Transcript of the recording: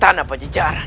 jangan perlu lupakan